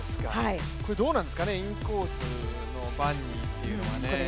どうなんですか、インコースのバンニーっていうのはね。